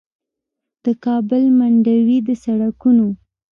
د کابل منډوي د سړکونو